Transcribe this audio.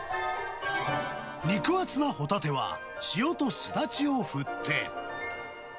肉厚なホタテは塩とスダチを振って。